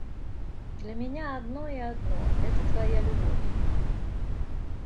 Для меня одно и одно — это твоя любовь.